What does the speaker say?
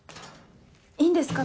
いいんですか？